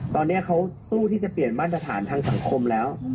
ตอนนี้เขาสู้ที่จะเปลี่ยนมาตรฐานทางสังคมแล้ว